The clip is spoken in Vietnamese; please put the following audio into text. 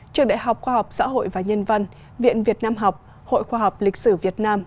trường đại học khoa học xã hội và nhân văn viện việt nam học hội khoa học lịch sử việt nam